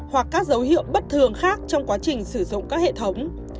hoặc các dấu hiệu bất thường khác trong quá trình sử dụng các hệ thống